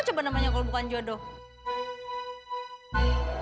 namanya kok bukan jodoh